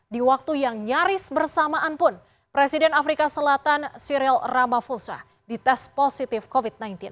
di waktu yang nyaris bersamaan pun presiden afrika selatan syril ramavosa dites positif covid sembilan belas